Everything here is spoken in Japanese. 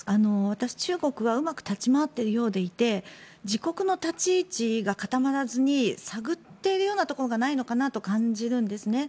私、中国はうまく立ち回っているようでいて自国の立ち位置が固まらずに探っているようなところがないのかなと感じるんですね。